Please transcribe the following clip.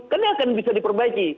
kenapa bisa diperbaiki